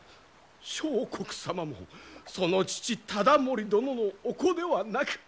相国様もその父忠盛殿のお子ではなく。